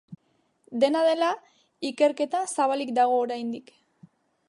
Dena dela, ikerketa zabalik dago oraindik.